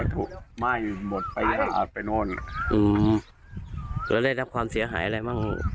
ประถุไม่หมดไปอาจไปโน่นอืมแล้วได้รับความเสียหายอะไรบ้าง